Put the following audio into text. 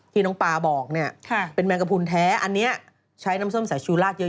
ที่น้องปาบอกเนี่ยเป็นแมงกระพุนแท้อันนี้ใช้น้ำส้มสายชูลาดเยอะ